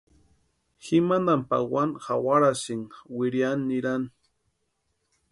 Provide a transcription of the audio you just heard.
Ji mantani pawani jawarasïnka wiriani nirani.